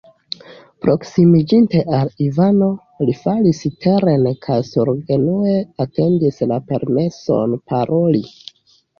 Proksimiĝinte al Ivano, li falis teren kaj surgenue atendis la permeson paroli.